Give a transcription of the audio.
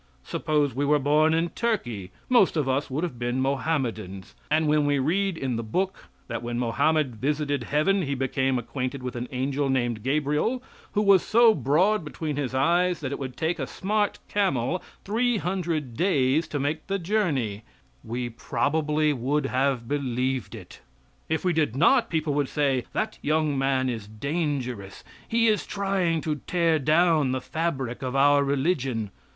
Suppose we were born in Turkey most of us would have been Mohammedans; and when we read in the book that when Mohammed visited heaven he became acquainted with an angel named Gabriel, who was so broad between his eyes that it would take a smart camel three hundred days to make the journey, we probably would have believed it. If we did not, people would say: "That young man is dangerous; he is trying to tear down the fabric of our religion.